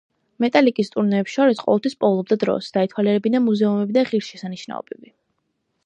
მეტალიკის ტურნეების დროს ყოველთვის პოულობდა დროს, დაეთვალიერებინა მუზეუმები და ღირსშესანიშნაობები.